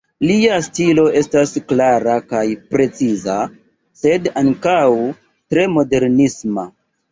Lia stilo estas klara kaj preciza, sed ankaŭ tre modernisma.